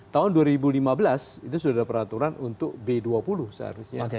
tahun dua ribu lima belas itu sudah ada peraturan untuk b dua puluh seharusnya